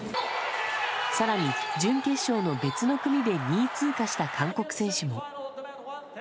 さらに、準決勝の別の組で２位通過した韓国選手も。